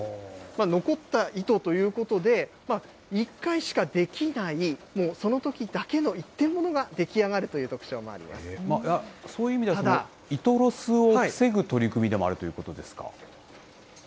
残った糸ということで、一回しかできない、もう、そのときだけの一点物が出来上がるという特徴もそういう意味では、糸ロスを防ぐ取り組みでもあるということですか？